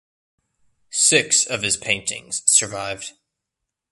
Six of his paintings survived.